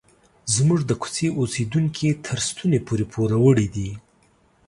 زموږ د کوڅې اوسیدونکي تر ستوني پورې پوروړي دي.